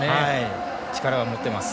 力は持っています。